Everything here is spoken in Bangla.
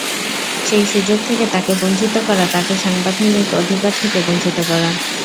সেই সুযোগ থেকে তাকে বঞ্চিত করা তাকে সাংবিধানিক অধিকার থেকে বঞ্চিত করা।